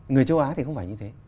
người châu á thì không phải như thế